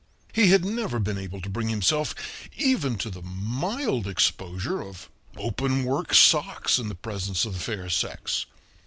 He had never heen able to bring himself even to the mild exposure of openwork socks in the presence of the fair sex.